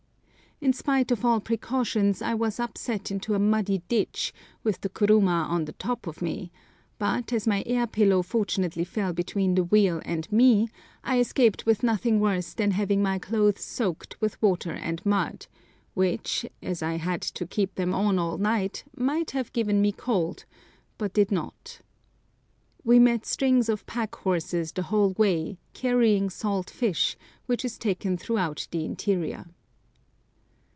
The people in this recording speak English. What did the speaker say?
In spite of all precautions I was upset into a muddy ditch, with the kuruma on the top of me; but, as my air pillow fortunately fell between the wheel and me, I escaped with nothing worse than having my clothes soaked with water and mud, which, as I had to keep them on all night, might have given me cold, but did not. We met strings of pack horses the whole way, carrying salt fish, which is taken throughout the interior.